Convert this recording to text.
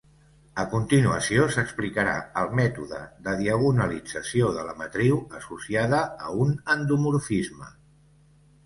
A continuació s'explicarà el mètode de diagonalització de la matriu associada a un endomorfisme.